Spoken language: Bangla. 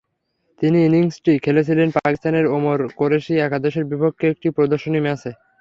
তিনি ইনিংসটি খেলেছিলেন পাকিস্তানের ওমর কোরেশী একাদশের বিপক্ষে একটি প্রদর্শনী ম্যাচে।